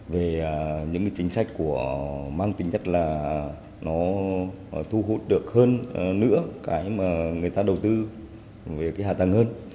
về những cái chính sách của mang tính chất là nó thu hút được hơn nữa cái mà người ta đầu tư về cái hạ tầng hơn